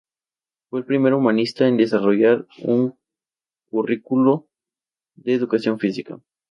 Fue el primer humanista en desarrollar un currículo de educación física.